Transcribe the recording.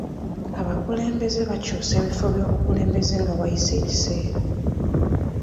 Abakulembeze bakyusa ebifo by'obukulembeze nga wayise ekiseera.